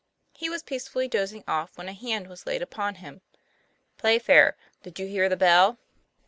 He was peacefully dozing off when a hand was laid upon him. " Playfair, did you hear the bell